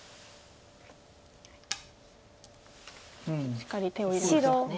しっかり手を入れましたね。